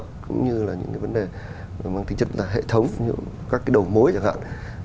cũng như là những cái vấn đề mang tính chất là hệ thống các cái đầu mối chẳng hạn